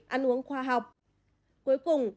ăn uống khoa học cuối cùng